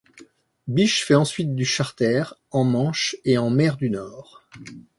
Biche fait ensuite du charter, en Manche et en Mer du Nord.